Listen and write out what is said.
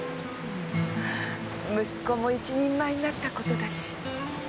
息子も一人前になったことだし。